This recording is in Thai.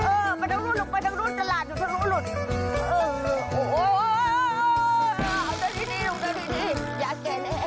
เออไปทั้งนู้นลูกไปทั้งนู้นตลาดหนูทั้งลูกหลุด